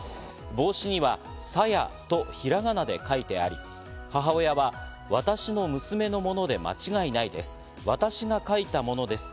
帽子には「さや」とひらがなで書いてあり、母親は私の娘のもので間違いないです。